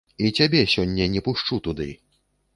І цябе сёння не пушчу туды.